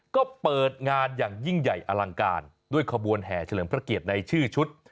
ก็เปิดงานอย่างยิ่งใหญ่อลังการด้วยขบวนแห่เฉลิมพระเกียรติในชื่อชุด